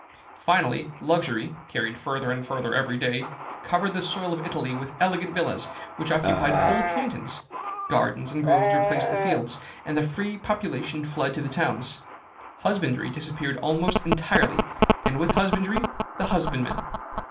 "Finally, luxury, carried further and further every day, covered the soil of Italy with elegant villas, which occupied whole cantons. Gardens and groves replaced the fields, and the free population fled to the towns. Husbandry disappeared almost entirely, and with husbandry the husbandman.